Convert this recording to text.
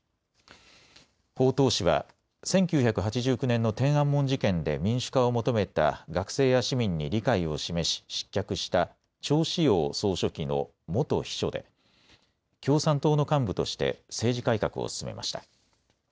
鮑とう氏は１９８９年の天安門事件で民主化を求めた学生や市民に理解を示し失脚した趙紫陽総書記の元秘書で共産党の幹部として政治改革を進めました。